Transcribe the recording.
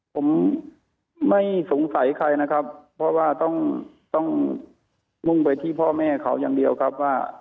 ผมไม่สงสัยใครนะครับเพราะว่าต้องมุ่งไปที่พ่อแม่เขาอย่างเดียวครับว่า